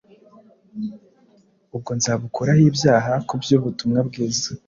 ubwo nzabukuraho ibyaha.’ Ku by’ubutumwa bwiza,